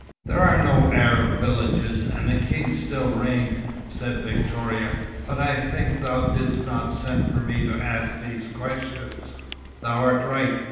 "There are no Arab villages, and the King still reigns," said Victoria. "But I think thou didst not send for me to ask these questions?" "Thou art right.